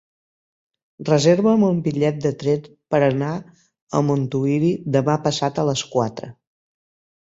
Reserva'm un bitllet de tren per anar a Montuïri demà passat a les quatre.